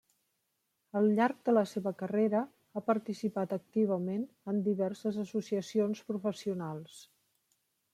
Al llarg de la seva carrera, ha participat activament en diverses associacions professionals.